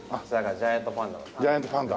ジャイアントパンダ。